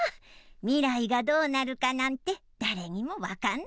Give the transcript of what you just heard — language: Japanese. みらいがどうなるかなんてだれにもわかんないんだから！